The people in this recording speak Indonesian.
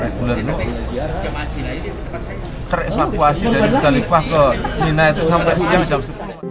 reguler terimakasih dari taliqfah ke minat sampai siang